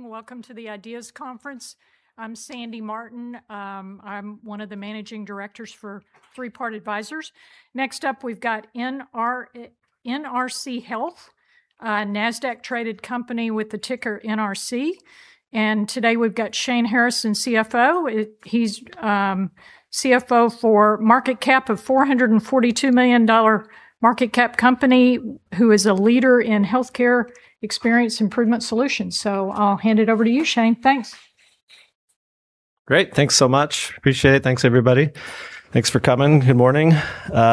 Welcome to the IDEAS Conference. I'm Sandy Martin. I'm one of the Managing Directors for Three Part Advisors. Next up, we've got NRC Health, a Nasdaq-traded company with the ticker NRC. Today we've got Shane Harrison, CFO. He's CFO for a $442 million market cap company, who is a leader in healthcare experience improvement solutions. I'll hand it over to you, Shane. Thanks. Great. Thanks so much. Appreciate it. Thanks, everybody. Thanks for coming. Good morning.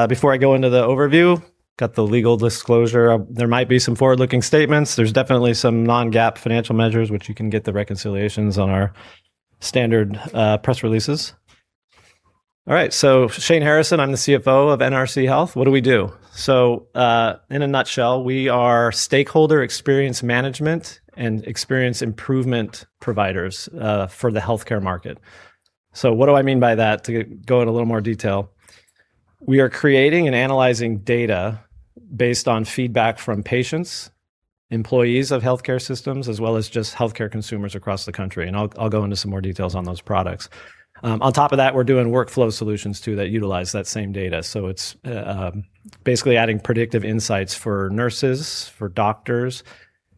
Before I go into the overview, got the legal disclosure. There might be some forward-looking statements. There's definitely some non-GAAP financial measures, which you can get the reconciliations on our standard press releases. All right. Shane Harrison, I'm the CFO of NRC Health. What do we do? In a nutshell, we are stakeholder experience management and experience improvement providers for the healthcare market. What do I mean by that? To go into a little more detail, we are creating and analyzing data based on feedback from patients, employees of healthcare systems, as well as just healthcare consumers across the country, and I'll go into some more details on those products. On top of that, we're doing workflow solutions too, that utilize that same data. It's basically adding predictive insights for nurses, for doctors,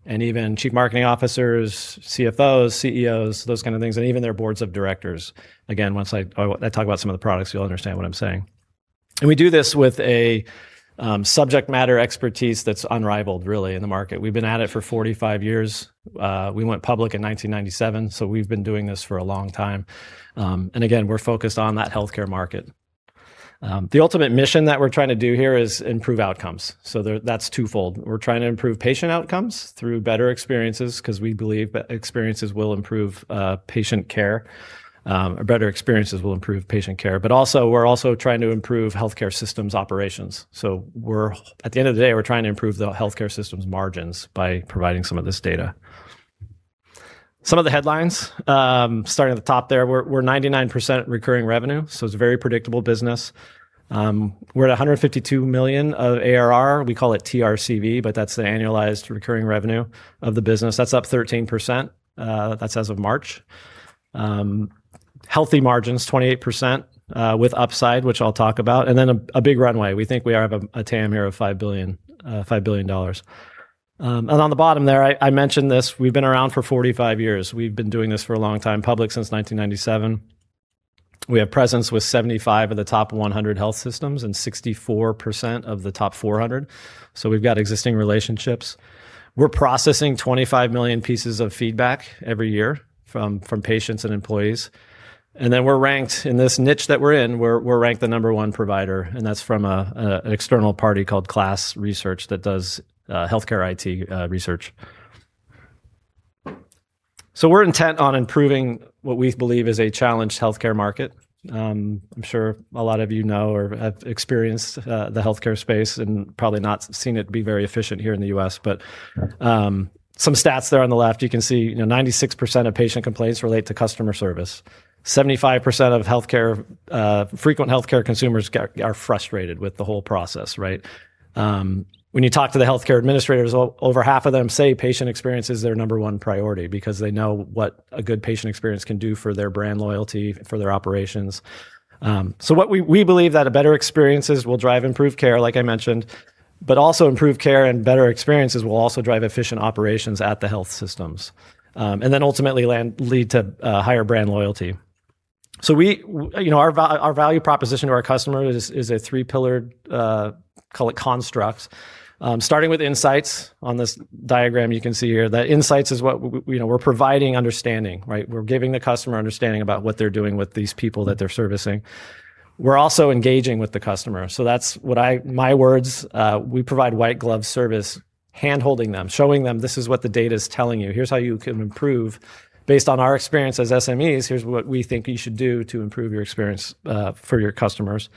and even Chief Marketing Officers, CFOs, CEOs, those kind of things, and even their Boards of Directors. Again, once I talk about some of the products, you'll understand what I'm saying. We do this with a subject matter expertise that's unrivaled, really, in the market. We've been at it for 45 years. We went public in 1997, so we've been doing this for a long time. Again, we're focused on that healthcare market. The ultimate mission that we're trying to do here is improve outcomes. That's twofold. We're trying to improve patient outcomes through better experiences because we believe experiences will improve patient care, or better experiences will improve patient care. Also, we're also trying to improve healthcare systems operations. At the end of the day, we're trying to improve the healthcare systems' margins by providing some of this data. Some of the headlines, starting at the top there, we're 99% recurring revenue, so it's a very predictable business. We're at $152 million of ARR. We call it TRCV, but that's the annualized recurring revenue of the business. That's up 13%. That's as of March. Healthy margins, 28% with upside, which I'll talk about, and then a big runway. We think we have a TAM here of $5 billion. On the bottom there, I mentioned this, we've been around for 45 years. We've been doing this for a long time, public since 1997. We have presence with 75% of the top 100 health systems and 64% of the top 400. We've got existing relationships. We're processing 25 million pieces of feedback every year from patients and employees. We're ranked, in this niche that we're in, we're ranked the number one provider, and that's from an external party called KLAS Research that does healthcare IT research. We're intent on improving what we believe is a challenged healthcare market. I'm sure a lot of you know or have experienced the healthcare space and probably not seen it be very efficient here in the U.S., but some stats there on the left. You can see 96% of patient complaints relate to customer service. 75% of frequent healthcare consumers are frustrated with the whole process, right? When you talk to the healthcare administrators, over half of them say patient experience is their number one priority because they know what a good patient experience can do for their brand loyalty, for their operations. We believe that better experiences will drive improved care, like I mentioned, but also improved care and better experiences will also drive efficient operations at the health systems. Ultimately lead to higher brand loyalty. Our value proposition to our customer is a three-pillared, call it construct. Starting with insights, on this diagram you can see here, that insights is what we're providing understanding, right? We're giving the customer understanding about what they're doing with these people that they're servicing. We're also engaging with the customer. That's my words. We provide white glove service, hand-holding them. Showing them this is what the data's telling you. Here's how you can improve based on our experience as SMEs. Here's what we think you should do to improve your experience for your customers.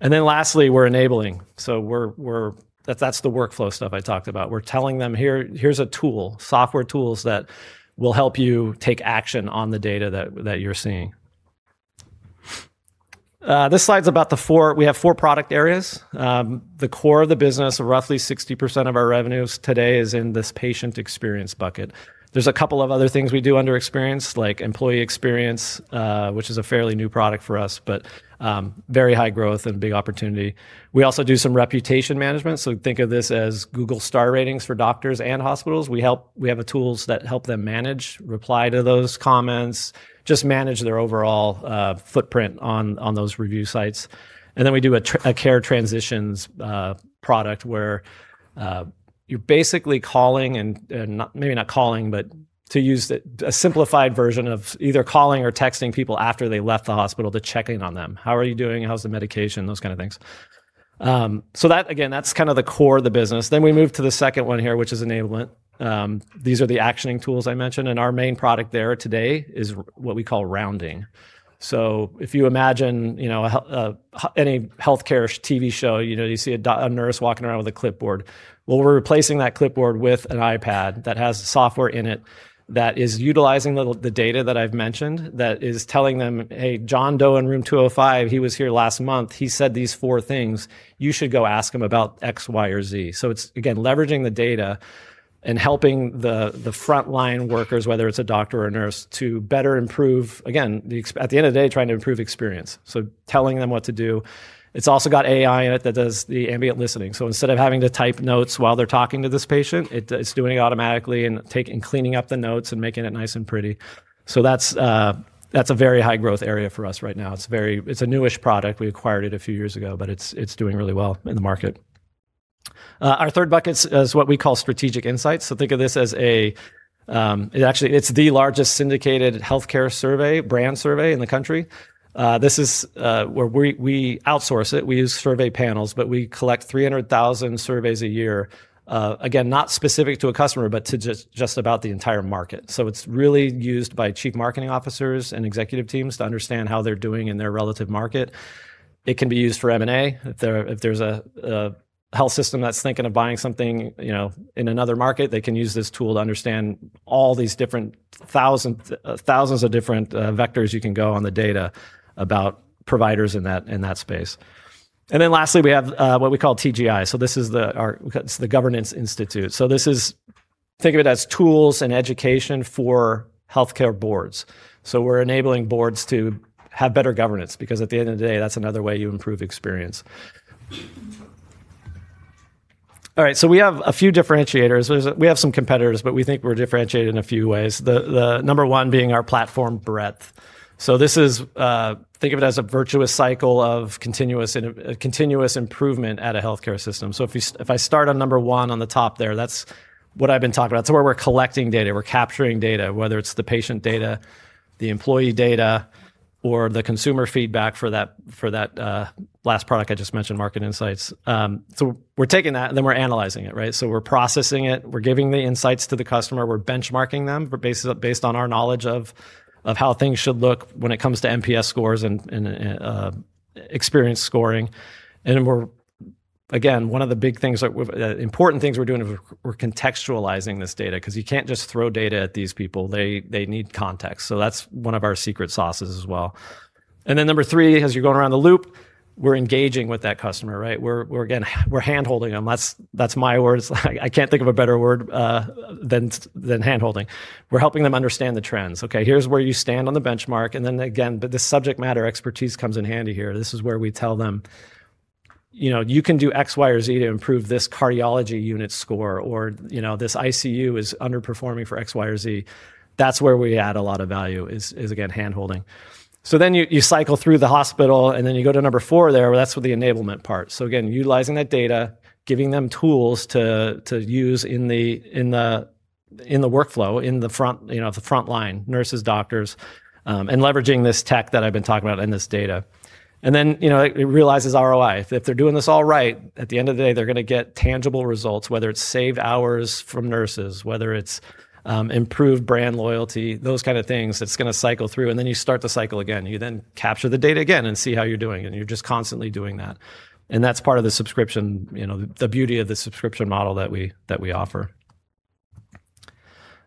Lastly, we're enabling. That's the workflow stuff I talked about. We're telling them, "Here's a tool, software tools, that will help you take action on the data that you're seeing." This slide's about the four. We have four product areas. The core of the business, roughly 60% of our revenues today is in this patient experience bucket. There's a couple of other things we do under experience, like employee experience, which is a fairly new product for us, but very high growth and big opportunity. We also do some reputation management, so think of this as Google star ratings for doctors and hospitals. We have the tools that help them manage, reply to those comments, just manage their overall footprint on those review sites. We do a care transitions product where you're basically calling and, maybe not calling, but to use a simplified version of either calling or texting people after they left the hospital to check in on them. "How are you doing? How's the medication?" Those kind of things. That, again, that's the core of the business. We move to the second one here, which is enablement. These are the actioning tools I mentioned, and our main product there today is what we call rounding. If you imagine any healthcare TV show, you see a nurse walking around with a clipboard. Well, we're replacing that clipboard with an iPad that has software in it that is utilizing the data that I've mentioned, that is telling them, "Hey, John Doe in room 205, he was here last month. He said these four things. You should go ask him about X, Y, or Z." It's, again, leveraging the data and helping the frontline workers, whether it's a doctor or nurse, to better improve, again, at the end of the day, trying to improve experience. Telling them what to do. It's also got AI in it that does the ambient listening. Instead of having to type notes while they're talking to this patient, it's doing it automatically and cleaning up the notes and making it nice and pretty. That's a very high growth area for us right now. It's a newish product. We acquired it a few years ago, but it's doing really well in the market. Our third bucket is what we call strategic insights. Think of this as, it's the largest syndicated healthcare survey, brand survey in the country. We outsource it. We use survey panels, but we collect 300,000 surveys a year. Again, not specific to a customer, but to just about the entire market. It's really used by Chief Marketing Officers and executive teams to understand how they're doing in their relative market. It can be used for M&A. If there's a health system that's thinking of buying something in another market, they can use this tool to understand all these thousands of different vectors you can go on the data about providers in that space. Lastly, we have what we call TGI. This is The Governance Institute. Think of it as tools and education for Healthcare Boards. We're enabling Boards to have better governance, because at the end of the day, that's another way you improve experience. All right. We have a few differentiators. We have some competitors, we think we're differentiated in a few ways. The number one being our platform breadth. Think of it as a virtuous cycle of continuous improvement at a healthcare system. If I start on number one on the top there, that's what I've been talking about. That's where we're collecting data. We're capturing data, whether it's the patient data, the employee data, or the consumer feedback for that last product I just mentioned, Market Insights. We're taking that, and then we're analyzing it. We're processing it, we're giving the insights to the customer, we're benchmarking them based on our knowledge of how things should look when it comes to NPS scores and experience scoring. Again, one of the big, important things we're doing, we're contextualizing this data, because you can't just throw data at these people. They need context. That's one of our secret sauces as well. Number three, as you're going around the loop, we're engaging with that customer. We're hand-holding them. That's my words. I can't think of a better word than hand-holding. We're helping them understand the trends. "Okay, here's where you stand on the benchmark." Again, the subject matter expertise comes in handy here. This is where we tell them, "You can do X, Y, or Z to improve this cardiology unit score," or, "This ICU is underperforming for X, Y, or Z." That's where we add a lot of value is, again, hand-holding. You cycle through the hospital, you go to number four there. That's with the enablement part. Again, utilizing that data, giving them tools to use in the workflow, in the front line, nurses, doctors, and leveraging this tech that I've been talking about and this data. Then it realizes ROI. If they're doing this all right, at the end of the day, they're going to get tangible results, whether it's saved hours from nurses, whether it's improved brand loyalty, those kind of things. It's going to cycle through, and then you start the cycle again. You then capture the data again and see how you're doing, and you're just constantly doing that. That's part of the beauty of the subscription model that we offer.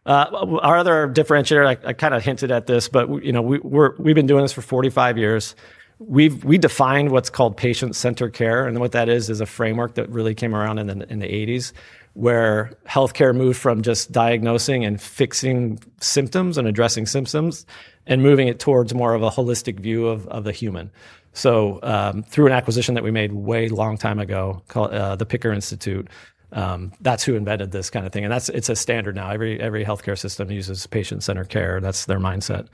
Our other differentiator, I kind of hinted at this, but we've been doing this for 45 years. We defined what's called patient-centered care, and what that is is a framework that really came around in the 1980s, where healthcare moved from just diagnosing and fixing symptoms and addressing symptoms, and moving it towards more of a holistic view of the human. Through an acquisition that we made way long time ago, the Picker Institute, that's who invented this kind of thing, and it's a standard now. Every healthcare system uses patient-centered care. That's their mindset.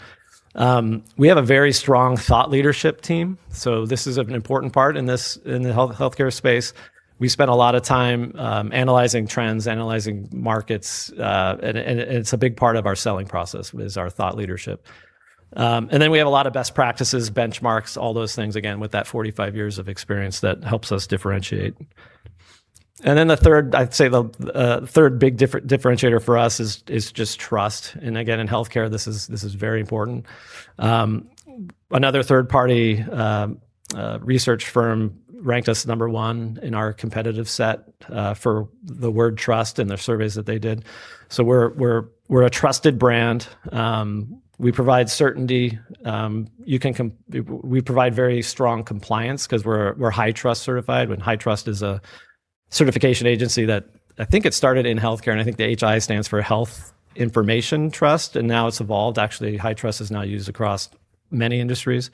We have a very strong thought leadership team, so this is an important part in the healthcare space. We spend a lot of time analyzing trends, analyzing markets, and it's a big part of our selling process, is our thought leadership. Then we have a lot of best practices, benchmarks, all those things, again, with that 45 years of experience, that helps us differentiate. Then I'd say the third big differentiator for us is just trust, and again, in healthcare, this is very important. Another third-party research firm ranked us number one in our competitive set for the word trust in the surveys that they did. We're a trusted brand. We provide certainty. We provide very strong compliance because we're HITRUST certified. HITRUST is a certification agency that I think it started in healthcare, and I think the HI stands for Health Information Trust, and now it's evolved. Actually, HITRUST is now used across many industries.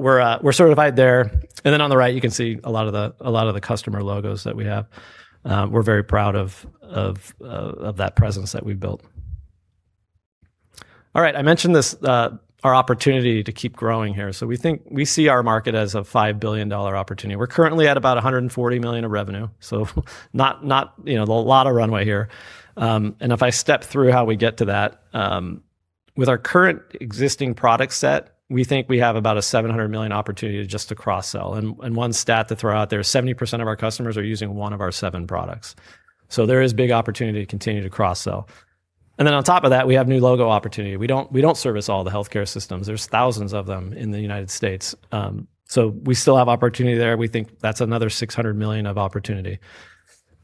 We're certified there. Then on the right, you can see a lot of the customer logos that we have. We're very proud of that presence that we've built. All right. I mentioned our opportunity to keep growing here. We see our market as a $5 billion opportunity. We're currently at about $140 million of revenue, a lot of runway here. If I step through how we get to that, with our current existing product set, we think we have about a $700 million opportunity just to cross-sell. One stat to throw out there, 70% of our customers are using one of our seven products. There is big opportunity to continue to cross-sell. Then on top of that, we have new logo opportunity. We don't service all the healthcare systems. There's thousands of them in the U.S. We still have opportunity there. We think that's another $600 million of opportunity.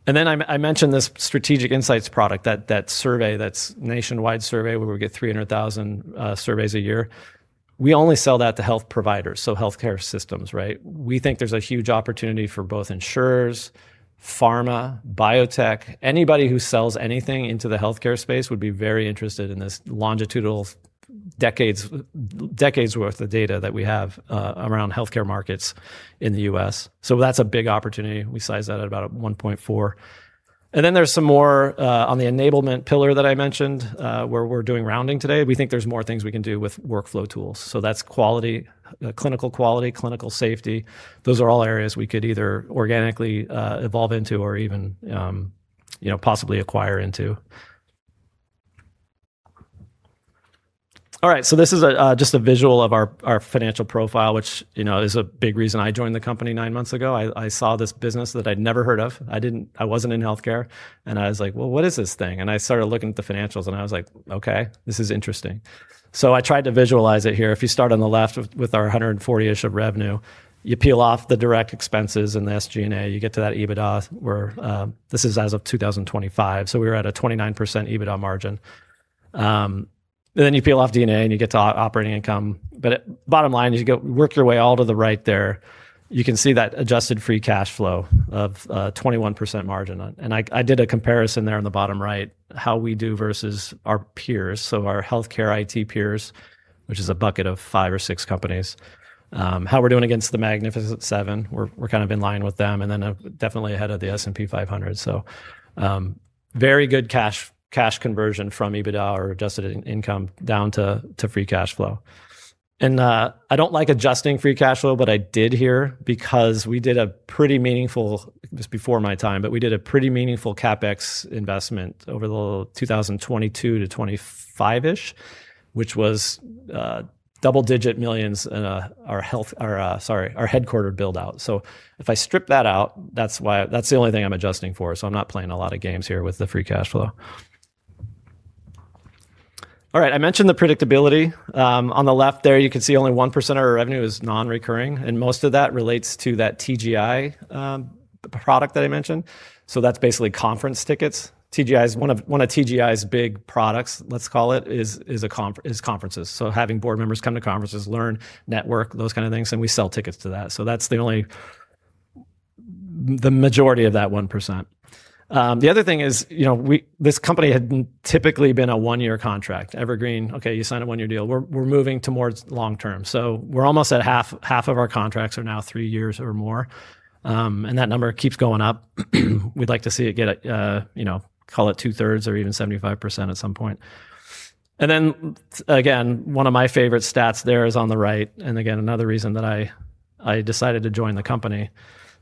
Then I mentioned this Market Insights product, that survey, that nationwide survey where we get 300,000 surveys a year. We only sell that to health providers, so healthcare systems. We think there's a huge opportunity for both insurers, pharma, biotech. Anybody who sells anything into the healthcare space would be very interested in this longitudinal decades' worth of data that we have around healthcare markets in the U.S. That's a big opportunity. We size that at about $1.4. Then there's some more on the enablement pillar that I mentioned, where we're doing rounding today. We think there's more things we can do with workflow tools. That's quality, clinical quality, clinical safety. Those are all areas we could either organically evolve into or even possibly acquire into. All right. This is just a visual of our financial profile, which is a big reason I joined the company nine months ago. I saw this business that I'd never heard of. I wasn't in healthcare, and I was like, "Well, what is this thing?" I started looking at the financials and I was like, "Okay, this is interesting." I tried to visualize it here. If you start on the left with our $140-ish of revenue, you peel off the direct expenses and the SG&A, you get to that EBITDA where, this is as of 2025, we were at a 29% EBITDA margin. You peel off D&A, and you get to operating income. Bottom line, as you work your way all to the right there, you can see that adjusted free cash flow of 21% margin. I did a comparison there in the bottom right, how we do versus our peers. Our healthcare IT peers, which is a bucket of five or six companies, how we're doing against The Magnificent Seven. We're in line with them and then definitely ahead of the S&P 500. Very good cash conversion from EBITDA or adjusted income down to free cash flow. I don't like adjusting free cash flow, but I did here because we did a pretty meaningful, this was before my time, but we did a pretty meaningful CapEx investment over the 2022-2025-ish, which was double-digit millions in our sorry, our headquarter build-out. If I strip that out, that's the only thing I'm adjusting for. I'm not playing a lot of games here with the free cash flow. All right, I mentioned the predictability. On the left there, you can see only 1% of our revenue is non-recurring, and most of that relates to that TGI product that I mentioned. That's basically conference tickets. One of TGI's big products, let's call it, is conferences. Having Board members come to conferences, learn, network, those kind of things, and we sell tickets to that. That's the only, the majority of that 1%. The other thing is, this company had typically been a one-year contract. Evergreen, okay, you sign a one-year deal. We're moving towards long term. We're almost at half of our contracts are now three years or more. That number keeps going up. We'd like to see it get at, call it 2/3 or even 75% at some point. Again, one of my favorite stats there is on the right. Again, another reason that I decided to join the company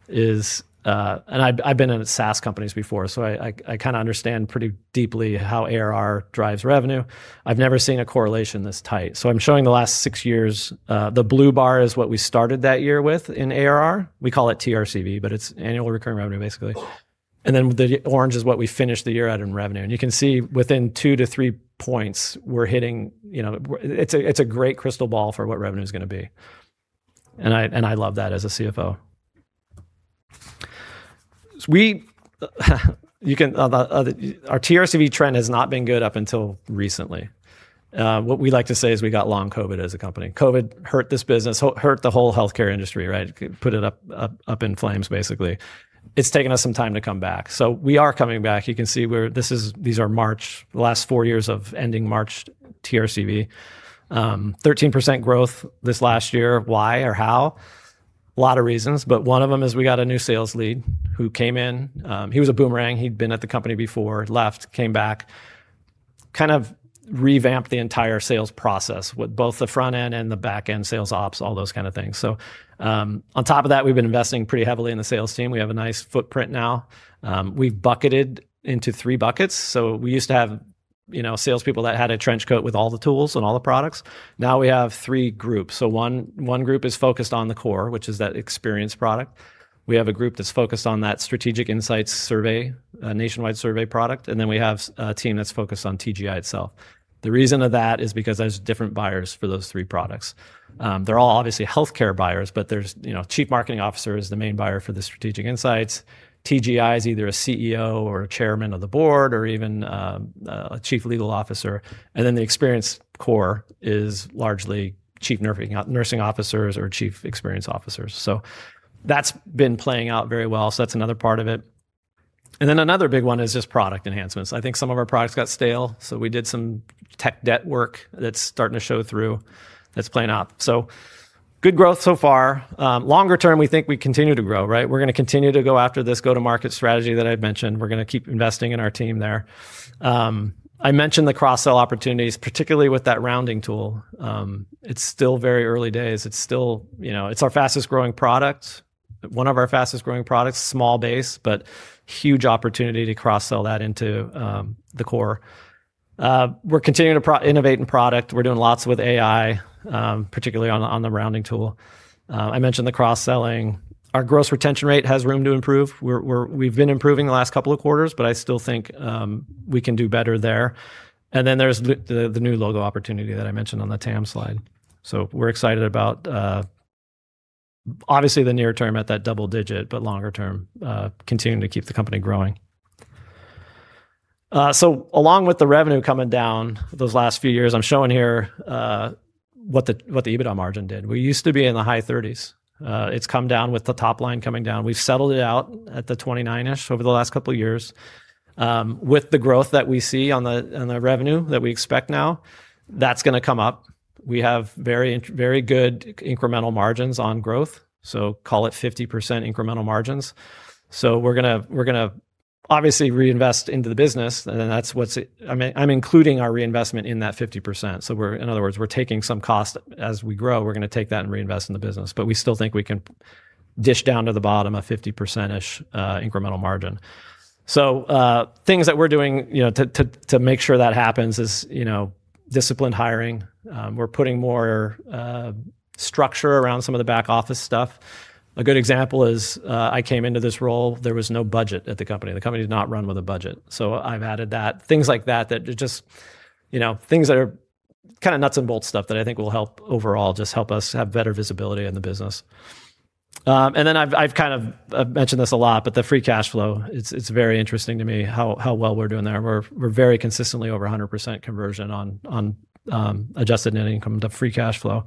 is, and I've been in SaaS companies before, I understand pretty deeply how ARR drives revenue. I've never seen a correlation this tight. I'm showing the last six years. The blue bar is what we started that year with in ARR. We call it TRCV, but it's annual recurring revenue, basically. The orange is what we finished the year at in revenue. You can see within two to three points, it's a great crystal ball for what revenue's going to be. I love that as a CFO. Our TRCV trend has not been good up until recently. What we like to say is we got long COVID as a company. COVID hurt this business, hurt the whole healthcare industry, right? Put it up in flames, basically. It's taken us some time to come back. We are coming back. You can see these are March, the last four years of ending March TRCV. 13% growth this last year. Why or how? Lot of reasons, but one of them is we got a new sales lead who came in. He was a boomerang. He'd been at the company before, left, came back, kind of revamped the entire sales process with both the front end and the back end, sales ops, all those kind of things. On top of that, we've been investing pretty heavily in the sales team. We have a nice footprint now. We've bucketed into three buckets. We used to have salespeople that had a trench coat with all the tools and all the products. Now we have three groups. One group is focused on the core, which is that experience product. We have a group that's focused on that Market Insights, a nationwide survey product, and then we have a team that's focused on TGI itself. The reason of that is because there's different buyers for those three products. They're all obviously healthcare buyers, but there's Chief Marketing Officer is the main buyer for the Market Insights. TGI is either a CEO or a Chairman of the Board or even a Chief Legal Officer. The experience core is largely Chief Nursing Officers or Chief Experience Officers. That's been playing out very well. That's another part of it. Another big one is just product enhancements. I think some of our products got stale, we did some tech debt work that's starting to show through. That's playing out. Good growth so far. Longer term, we think we continue to grow, right? We're going to continue to go after this go-to-market strategy that I'd mentioned. We're going to keep investing in our team there. I mentioned the cross-sell opportunities, particularly with that rounding tool. It's still very early days. It's our fastest growing product. One of our fastest growing products. Small base, but huge opportunity to cross-sell that into the core. We're continuing to innovate in product. We're doing lots with AI, particularly on the rounding tool. I mentioned the cross-selling. Our gross retention rate has room to improve. We've been improving the last couple of quarters, but I still think we can do better there. There's the new logo opportunity that I mentioned on the TAM slide. We're excited about, obviously the near term at that double digit, but longer term, continuing to keep the company growing. Along with the revenue coming down those last few years, I'm showing here what the EBITDA margin did. We used to be in the high-30s. It's come down with the top line coming down. We've settled it out at the 29%-ish over the last couple of years. With the growth that we see on the revenue that we expect now, that's going to come up. We have very good incremental margins on growth, call it 50% incremental margins. We're going to obviously reinvest into the business, and I'm including our reinvestment in that 50%. In other words, we're taking some cost as we grow. We're going to take that and reinvest in the business. We still think we can dish down to the bottom a 50%-ish incremental margin. Things that we're doing to make sure that happens is disciplined hiring. We're putting more structure around some of the back office stuff. A good example is, I came into this role, there was no budget at the company. The company did not run with a budget. I've added that. Things like that. Things that are kind of nuts and bolts stuff that I think will help overall, just help us have better visibility in the business. I've mentioned this a lot, the free cash flow, it's very interesting to me how well we're doing there. We're very consistently over 100% conversion on adjusted net income to free cash flow.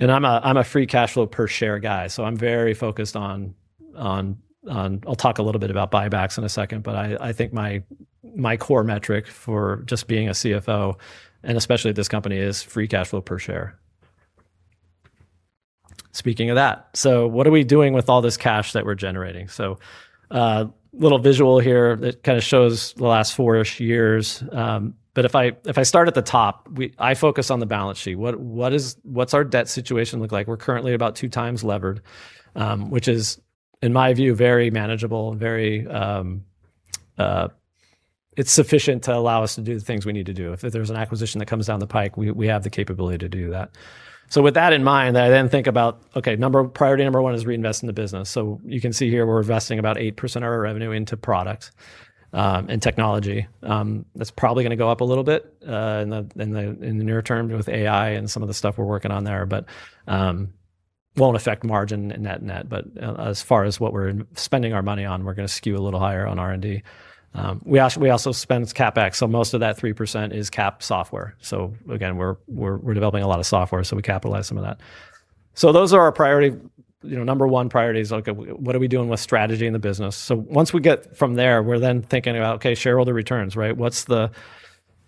I'm a free cash flow per share guy, so I'm very focused on, I'll talk a little bit about buybacks in a second, but I think my core metric for just being a CFO, and especially at this company, is free cash flow per share. Speaking of that, what are we doing with all this cash that we're generating? A little visual here that kind of shows the last four-ish years. If I start at the top, I focus on the balance sheet. What's our debt situation look like? We're currently about 2x levered, which is, in my view, very manageable. It's sufficient to allow us to do the things we need to do. If there's an acquisition that comes down the pike, we have the capability to do that. With that in mind, I then think about, okay, priority number one is reinvest in the business. You can see here we're investing about 8% of our revenue into product and technology. That's probably going to go up a little bit in the near term with AI and some of the stuff we're working on there. Won't affect margin net net. As far as what we're spending our money on, we're going to skew a little higher on R&D. We also spend CapEx, most of that 3% is cap software. Again, we're developing a lot of software, so we capitalize some of that. Those are our priority. Number one priority is, okay, what are we doing with strategy in the business? Once we get from there, we're then thinking about, okay, shareholder returns, right? What's the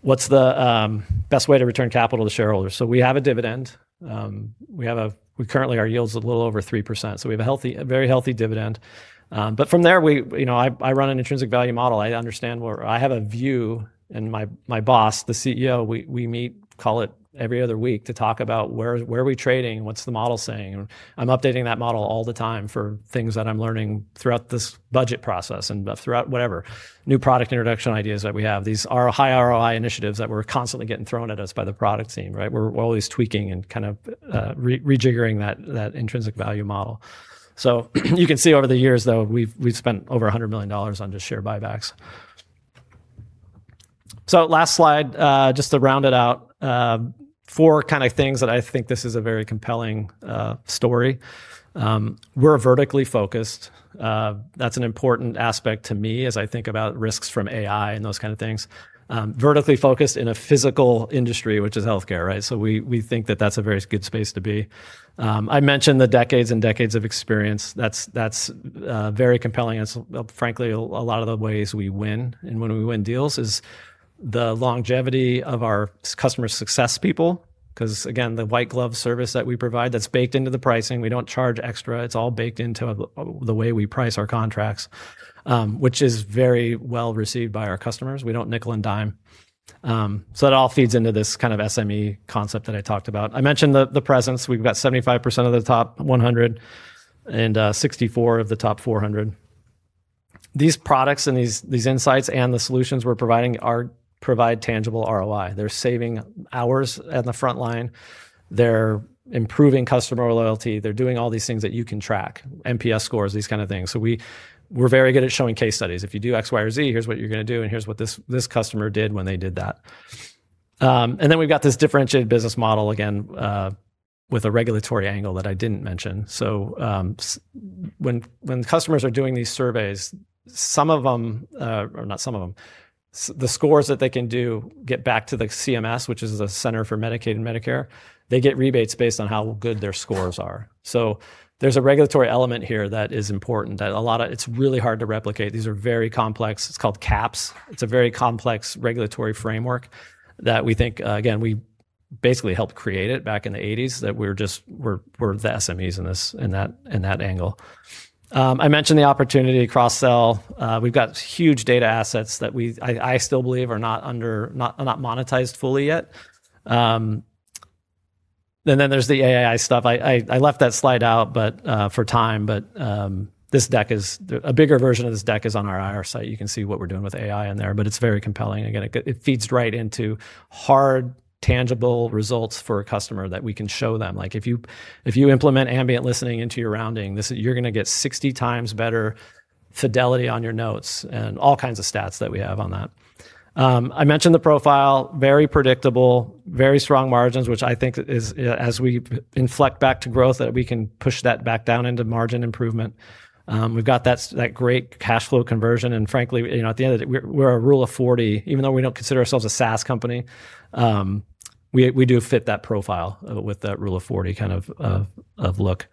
best way to return capital to shareholders? We have a dividend. Currently, our yield's a little over 3%, we have a very healthy dividend. From there, I run an intrinsic value model. I have a view, and my boss, the CEO, we meet, call it, every other week to talk about where are we trading, what's the model saying? I'm updating that model all the time for things that I'm learning throughout this budget process and throughout whatever new product introduction ideas that we have. These high ROI initiatives that we're constantly getting thrown at us by the product team, right? We're always tweaking and kind of rejiggering that intrinsic value model. You can see over the years, though, we've spent over $100 million on just share buybacks. Last slide, just to round it out. Four kind of things that I think this is a very compelling story. We're vertically focused. That's an important aspect to me as I think about risks from AI and those kind of things. Vertically focused in a physical industry, which is healthcare, right? We think that that's a very good space to be. I mentioned the decades and decades of experience. That's very compelling. Frankly, a lot of the ways we win and when we win deals is the longevity of our customer success people. Because again, the white glove service that we provide, that's baked into the pricing. We don't charge extra. It's all baked into the way we price our contracts, which is very well received by our customers. We don't nickel and dime. So that all feeds into this kind of SME concept that I talked about. I mentioned the presence. We've got 75% of the top 100 and 64% of the top 400. These products and these insights and the solutions we're providing tangible ROI. They're saving hours at the frontline. They're improving customer loyalty. They're doing all these things that you can track, NPS scores, these kind of things. So we're very good at showing case studies. If you do X, Y, or Z, here's what you're going to do, and here's what this customer did when they did that. We've got this differentiated business model again, with a regulatory angle that I didn't mention. So when customers are doing these surveys, the scores that they can do get back to the CMS, which is the Centers for Medicaid and Medicare. They get rebates based on how good their scores are. So there's a regulatory element here that is important. It's really hard to replicate. These are very complex. It's called CAHPS. It's a very complex regulatory framework that we think, again, we basically helped create it back in the 1980s, that we're the SMEs in that angle. I mentioned the opportunity to cross-sell. We've got huge data assets that I still believe are not monetized fully yet. There's the AI stuff. I left that slide out for time, but a bigger version of this deck is on our IR site. You can see what we're doing with AI in there, but it's very compelling. Again, it feeds right into hard, tangible results for a customer that we can show them. If you implement ambient listening into your rounding, you're going to get 60 times better fidelity on your notes and all kinds of stats that we have on that. I mentioned the profile, very predictable, very strong margins, which I think as we inflect back to growth, that we can push that back down into margin improvement. We've got that great cash flow conversion, and frankly, at the end of the day, we're a rule of 40. Even though we don't consider ourselves a SaaS company, we do fit that profile with that rule of 40 kind of look.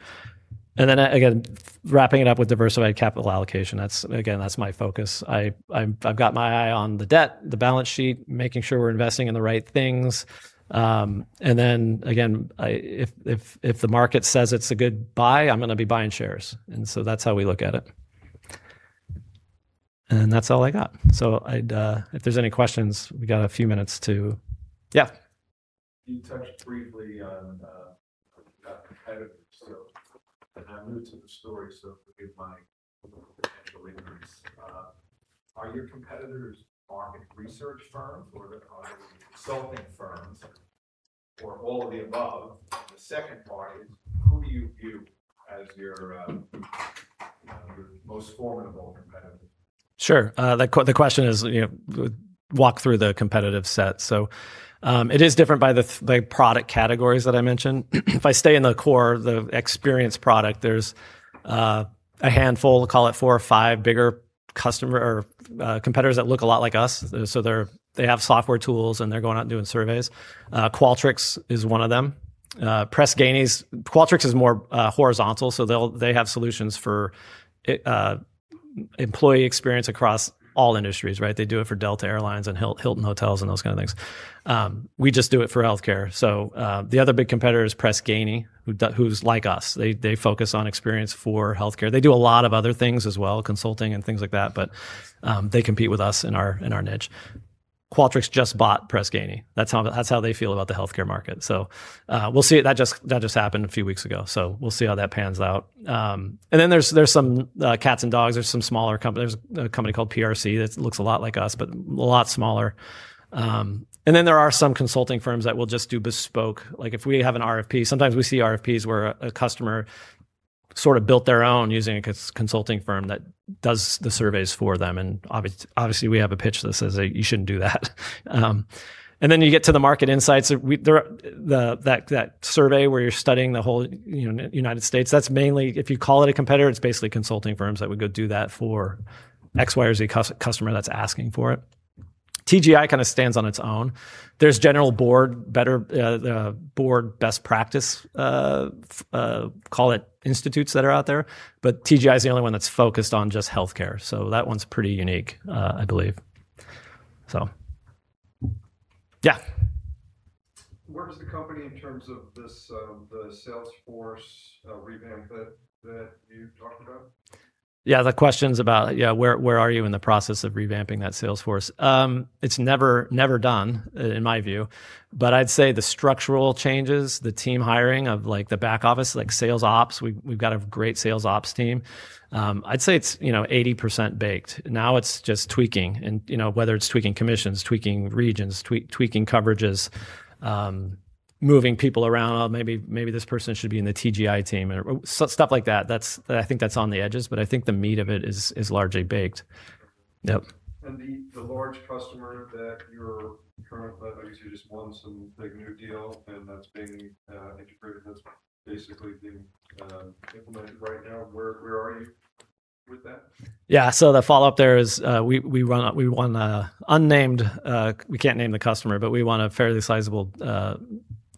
Wrapping it up with diversified capital allocation, again, that's my focus. I've got my eye on the debt, the balance sheet, making sure we're investing in the right things. Then, again, if the market says it's a good buy, I'm going to be buying shares. That's how we look at it. That's all I got. If there's any questions, we got a few minutes to Yeah. You touched briefly on competitors. I'm new to the story, so forgive my potential ignorance. Are your competitors market research firms, or are they consulting firms, or all of the above? The second part is, who do you view as your most formidable competitor? Sure. The question is walk through the competitive set. It is different by the product categories that I mentioned. If I stay in the core, the experience product, there's a handful, call it four or five bigger competitors that look a lot like us. They have software tools, and they're going out and doing surveys. Qualtrics is one of them. Press Ganey. Qualtrics is more horizontal, so they have solutions for employee experience across all industries, right? They do it for Delta Air Lines and Hilton Hotels and those kind of things. We just do it for healthcare. The other big competitor is Press Ganey, who's like us. They focus on experience for healthcare. They do a lot of other things as well, consulting and things like that, but they compete with us in our niche. Qualtrics just bought Press Ganey. That's how they feel about the healthcare market. That just happened a few weeks ago. We'll see how that pans out. There's some cats and dogs. There's a company called PRC that looks a lot like us, but a lot smaller. There are some consulting firms that will just do bespoke. Like if we have an RFP, sometimes we see RFPs where a customer sort of built their own using a consulting firm that does the surveys for them. Obviously we have a pitch that says that you shouldn't do that. You get to the Market Insights. That survey where you're studying the whole United States, if you call it a competitor, it's basically consulting firms that would go do that for X, Y, or Z customer that's asking for it. TGI kind of stands on its own. There's general board best practice, call it institutes that are out there, but TGI's the only one that's focused on just healthcare. That one's pretty unique, I believe. Yeah. Where does the company, in terms of the Salesforce revamp that you talked about? Yeah, the question's about where are you in the process of revamping that Salesforce? It's never done, in my view. I'd say the structural changes, the team hiring of the back office, like sales ops, we've got a great sales ops team. I'd say it's 80% baked. Now it's just tweaking, whether it's tweaking commissions, tweaking regions, tweaking coverages, moving people around. Maybe this person should be in the TGI team, stuff like that. I think that's on the edges. I think the meat of it is largely baked. Yep. The large customer that you're currently, obviously you just won some big new deal and that's being integrated, that's basically being implemented right now. Where are you with that? Yeah. The follow-up there is we won a unnamed, we can't name the customer, but we won a fairly sizable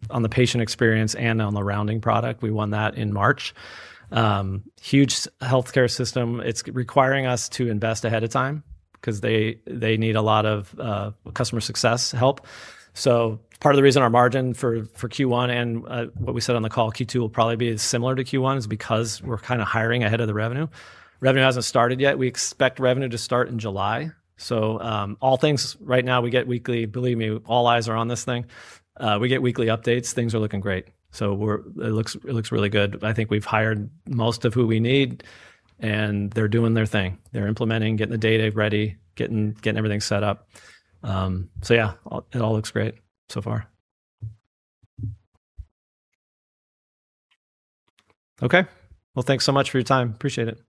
on the patient experience and on the rounding product. We won that in March. Huge healthcare system. It's requiring us to invest ahead of time because they need a lot of customer success help. Part of the reason our margin for Q1 and what we said on the call, Q2 will probably be similar to Q1, is because we're kind of hiring ahead of the revenue. Revenue hasn't started yet. We expect revenue to start in July. Right now we get weekly, believe me, all eyes are on this thing. We get weekly updates. Things are looking great. It looks really good. I think we've hired most of who we need, and they're doing their thing. They're implementing, getting the data ready, getting everything set up. Yeah, it all looks great so far. Okay. Well, thanks so much for your time. Appreciate it.